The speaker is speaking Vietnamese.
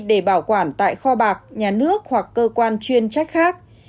để bảo quản tại kho bạc nhà nước hoặc cơ quan chuyên trách khác